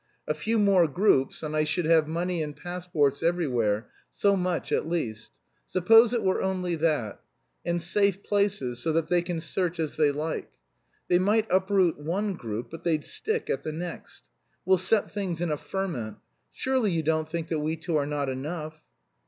A few more groups, and I should have money and passports everywhere; so much at least. Suppose it were only that? And safe places, so that they can search as they like. They might uproot one group but they'd stick at the next. We'll set things in a ferment.... Surely you don't think that we two are not enough?"